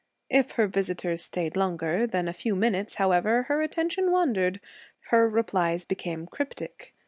If her visitors stayed longer than a few minutes, however, her attention wandered; her replies became cryptic.